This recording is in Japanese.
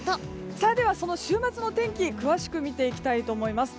では、その週末の天気詳しく見ていきたいと思います。